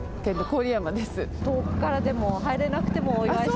遠くからでも、入れなくてもお祝いしたいと？